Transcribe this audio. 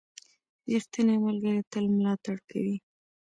• ریښتینی ملګری تل ملاتړ کوي.